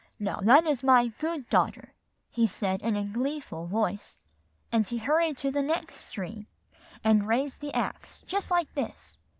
'Now, that is good, my daughter,' he said in a gleeful voice; and he hurried to the next tree, and raised the axe just like this."